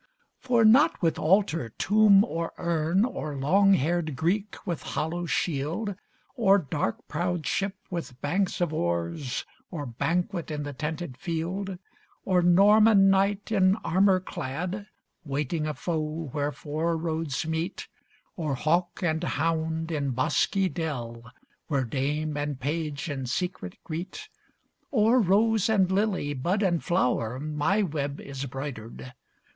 For not with altar, tomb, or urn, Or long haired Greek with hollow shield, Or dark prowed ship with banks of oars, Or banquet in the tented field; Or Norman knight in armor clad, Waiting a foe where four roads meet; Or hawk and hound in bosky dell, Where dame and page in secret greet; Or rose and lily, bud and flower, My web is broidered.